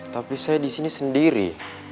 tapi saya disini sendiri